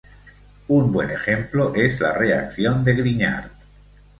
Un buen ejemplo es la reacción de Grignard.